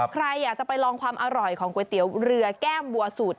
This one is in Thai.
ใครอยากจะไปลองความอร่อยของก๋วยเตี๋ยวเรือแก้มบัวสูตร